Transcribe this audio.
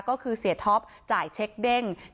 ก็คือเสียทธอปใจเชคเด้ง